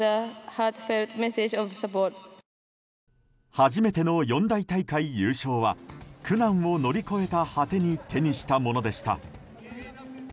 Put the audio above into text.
初めての四大大会優勝は苦難を乗り越えた果てに手にしたものでした。